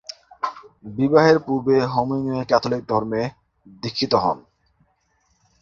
বিবাহের পূর্বে Hemingway Catholic ধর্মে দীক্ষিত হন।